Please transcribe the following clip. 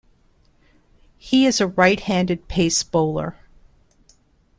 He is a right-handed pace bowler.